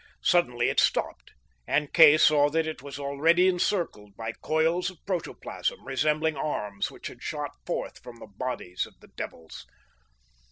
Suddenly it stopped, and Kay saw that it was already encircled by coils of protoplasm, resembling arms, which had shot forth from the bodies of the devils.